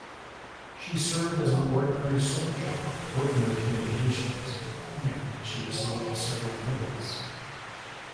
She served as an ordinary soldier working with communications and she received several medals.